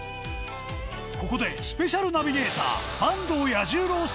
ここでスペシャルナビゲーター。